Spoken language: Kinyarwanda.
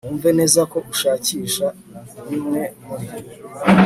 wumve neza ko ushakisha bimwe muri